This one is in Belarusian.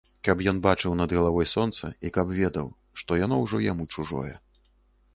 Каб ён бачыў над галавой сонца і каб ведаў, што яно ўжо яму чужое.